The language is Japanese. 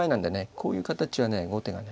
こういう形はね後手がね